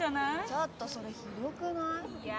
ちょっとそれひどくない？いや。